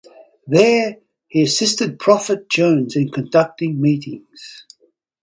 There he assisted Prophet Jones in conducting meetings.